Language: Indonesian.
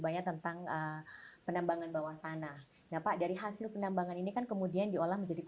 banyak tentang penambangan bawah tanah nah pak dari hasil penambangan ini kan kemudian diolah menjadi